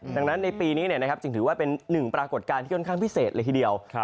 ดังนั้นในปีนี้จึงถือว่าเป็นหนึ่งปรากฏการณ์ที่ค่อนข้างพิเศษเลยทีเดียว